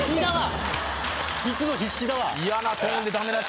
いつも必死だわ！